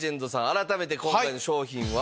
改めて今回の商品は。